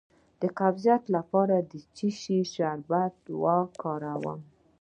د قبضیت لپاره د څه شي شربت وکاروم؟